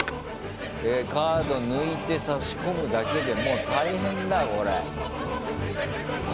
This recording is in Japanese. カード抜いて差し込むだけでもう大変だよこれ。